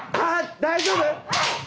大丈夫？